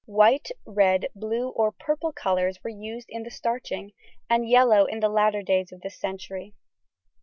White, red, blue or purple colours were used in the starching, and yellow in the latter days of this century.